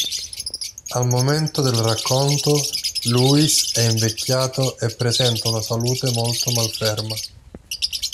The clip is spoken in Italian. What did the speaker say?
Al momento del racconto, Louis è invecchiato e presenta una salute molto malferma.